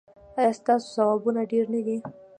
ایا ستاسو ثوابونه ډیر نه دي؟